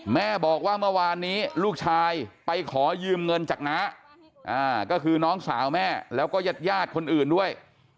แม่บอกว่าเมื่อวานนี้ลูกชายไปขอยืมเงินจากน้าก็คือน้องสาวแม่แล้วก็ญาติญาติคนอื่นด้วย